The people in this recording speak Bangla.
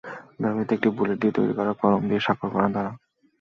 ব্যবহৃত একটি বুলেট দিয়ে তৈরি করা কলম দিয়ে স্বাক্ষর করেন তাঁরা।